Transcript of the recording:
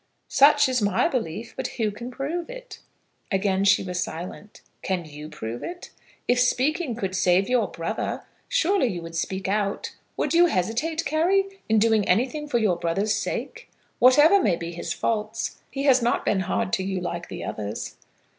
"Such is my belief; but who can prove it?" Again she was silent. "Can you prove it? If speaking could save your brother, surely you would speak out. Would you hesitate, Carry, in doing anything for your brother's sake? Whatever may be his faults, he has not been hard to you like the others."